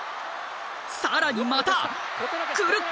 更にまたくるっ！